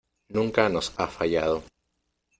Nunca nos ha fallado.